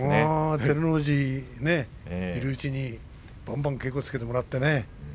照ノ富士がいるうちにばんばん稽古をつけてもらってね。